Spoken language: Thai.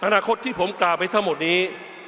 อนาคตที่ผมกล่าวไปทั้งหมดนี้